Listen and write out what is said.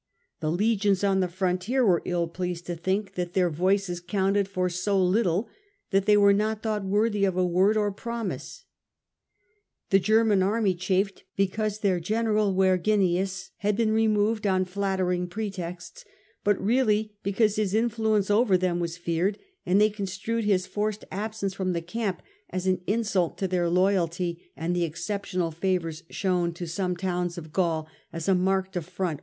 The legions on the frontier were ill" legionanes, pig^sed to think that their voices counted for so little, that they were not thought worthy of a word or promise. The German army chafed because their general Verginius had been removed on flattering pretexts, but really because his influence over them was feared; and they construed his forced absence from the camp as an insult to their loyalty, and the exceptional favours shown to some towns of Gaul as a marked affront popuiace.